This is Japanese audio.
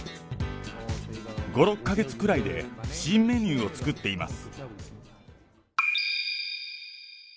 ５、６か月ぐらいで、新メニューを作っています。